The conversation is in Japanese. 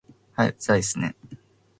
はい、うざいですね